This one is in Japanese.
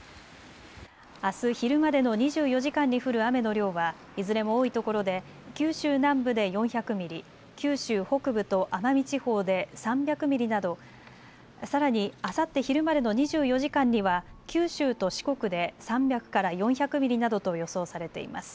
あす昼までの２４時間に降る雨の量はいずれも多いところで九州南部で４００ミリ、九州北部と奄美地方で３００ミリなどさらにあさって昼までの２４時間には九州と四国で３００から４００ミリなどと予想されています。